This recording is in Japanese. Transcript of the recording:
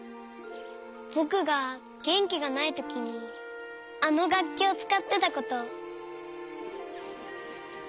ぼくがげんきがないときにあのがっきをつかってたこと。